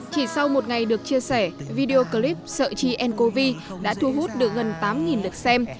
chỉ sau một ngày được chia sẻ video clip sợ chi n covid đã thu hút được gần tám lượt xem